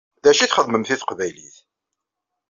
D acu i txedmemt i teqbaylit?